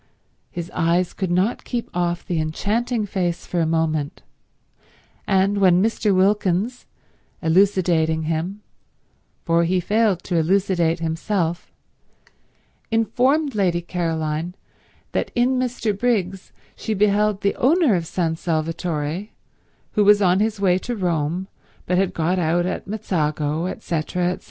His eyes could not keep off the enchanting face for a moment; and when Mr. Wilkins, elucidating him, for he failed to elucidate himself, informed Lady Caroline that in Mr. Briggs she beheld the owner of San Salvatore, who was on his way to Rome, but had got out at Mezzago, etc. etc.